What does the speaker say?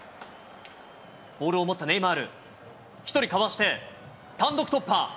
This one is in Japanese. ボールを持ったネイマール、１人かわして、単独突破。